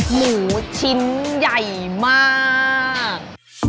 หมูชิ้นใหญ่มาก